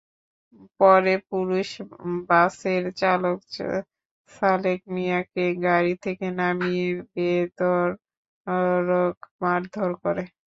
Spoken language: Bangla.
পরে পুলিশ বাসের চালক ছালেক মিয়াকে গাড়ি থেকে নামিয়ে বেধড়ক মারধর করে।